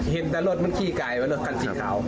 เห็นแต่รถมันขี้ไกลว่ารถคันสีขาว